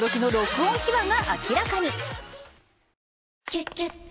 「キュキュット」